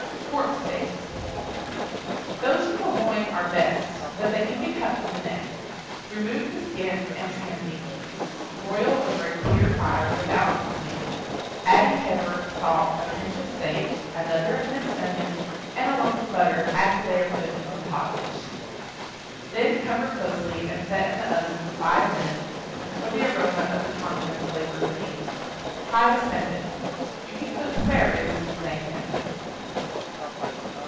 PORK STEAKS. Those from the loin are best, but they can be cut from the neck. Remove the skin and trim neatly. Broil over a clear fire, without seasoning, adding pepper, salt, a pinch of sage, another of minced onion, and a lump of butter after they are put into the hot dish. Then cover closely and set in the oven for five minutes, until the aroma of the condiments flavors the meat. Try this method. You can cook spare rib in the same manner.